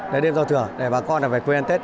để đêm giao thừa để bà con phải quên ăn tết